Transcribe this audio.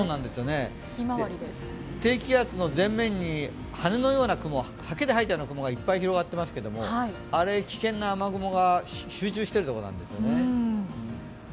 低気圧の前面に刷毛ではいたような雲がいっぱい広がっていますがあれは危険な雨雲が集中しているところなんですね。